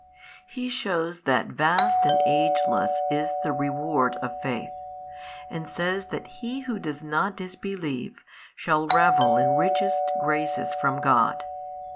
He shews that vast and ageless is the reward of faith, and says that he who does not disbelieve shall revel in richest graces from God.